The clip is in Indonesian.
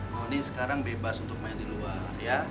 noni sekarang bebas untuk main di luar ya